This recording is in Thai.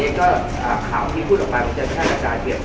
ซึ่งตอนนี้ก็ข่าวที่พูดออกมาว่าจะแค่กระจายเบียบ